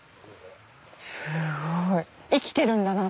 すごい生きているんだなって。